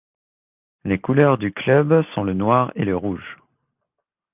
Les Couleurs du club sont le noir et le rouge.